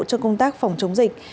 cho công tác phòng chống dịch